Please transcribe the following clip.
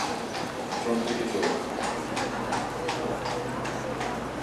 "Sorte que choveu".